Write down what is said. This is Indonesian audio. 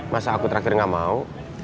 masa aku terakhir gak mau